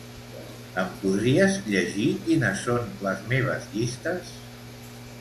Em podries llegir quines són les meves llistes?